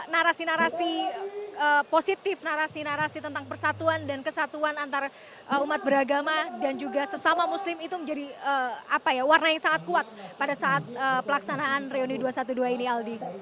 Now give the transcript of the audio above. narasi narasi positif narasi narasi tentang persatuan dan kesatuan antara umat beragama dan juga sesama muslim itu menjadi warna yang sangat kuat pada saat pelaksanaan reuni dua ratus dua belas ini aldi